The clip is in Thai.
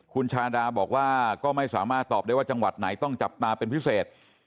คุณชาดาบอกว่าก็ไม่สามารถตอบได้ว่าจังหวัดไหนต้องจับตาเป็นพิเศษ